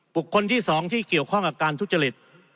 บุคคลที่สองที่เกี่ยวข้องกับการทุจจฤษฐ์